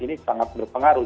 ini sangat berpengaruh